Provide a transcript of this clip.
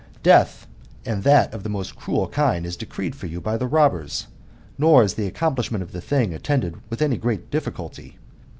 Death, and that of the most cruel kind, is decreed for you by the robbers, nor is the accomplishment of the thing attended with any great difficulty.